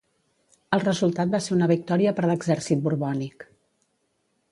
El resultat va ser una victòria per l'exèrcit borbònic.